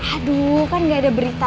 aduh kan gak ada berita